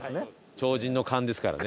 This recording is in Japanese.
超人の勘ですからね。